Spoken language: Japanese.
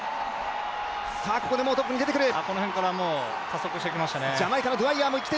ここでもうトップに出てくる。